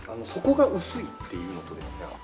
底が薄いっていうのとですね。